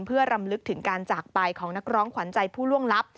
เพื่อรำลึกถึงการจากไปของนักร้องขวัญใจผู้ล่วงลับ